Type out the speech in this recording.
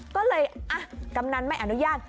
ก็เลยกำนันไม่อนุญาต